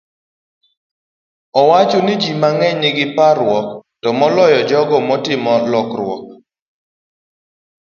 owacho ni ji mang'eny nigi parruok, to moloyo jogo matimo lokruokgo.